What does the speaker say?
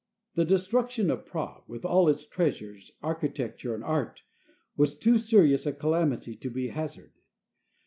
The destruction of Prague, with all its treasures of ar chitecture and art, was too serious a calamity to be haz arded.